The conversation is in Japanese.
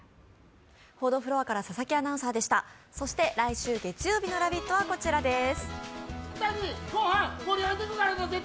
来週月曜日の「ラヴィット！」はこちらです。